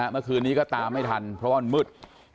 เมื่อคืนนี้ก็ตามไม่ทันเพราะว่ามันมืด